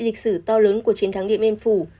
lịch sử to lớn của chiến thắng điện biên phủ